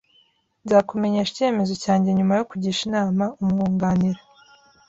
Nzakumenyesha icyemezo cyanjye nyuma yo kugisha inama umwunganira